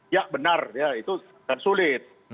ya benar ya itu sulit